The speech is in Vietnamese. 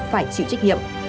phải chịu trách nhiệm